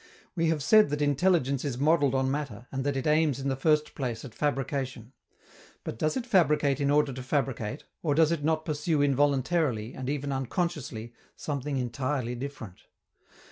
We have said that intelligence is modeled on matter and that it aims in the first place at fabrication. But does it fabricate in order to fabricate or does it not pursue involuntarily, and even unconsciously, something entirely different?